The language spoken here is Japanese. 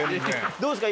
どうですか？